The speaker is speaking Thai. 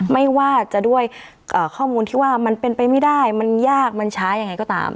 ไม่ว่าจะด้วยข้อมูลที่ว่ามันเป็นไปไม่ได้มันยากมันช้ายังไงก็ตาม